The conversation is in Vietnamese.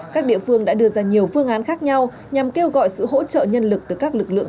các địa phương đã đưa ra nhiều phương án khác nhau nhằm kêu gọi sự hỗ trợ nhân lực từ các lực lượng